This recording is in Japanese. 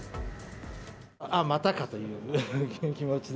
ああ、またかという気持ちで。